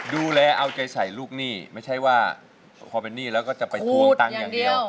ดูแลเอาใจใส่ลูกหนี้ไม่ใช่ว่าพอเป็นหนี้แล้วก็จะไปทวงตังค์อย่างเดียว